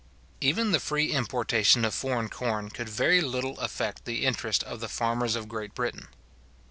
Even the free importation of foreign corn could very little affect the interest of the farmers of Great Britain.